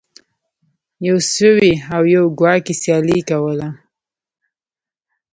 یو سوی او یو کواګې سیالي کوله.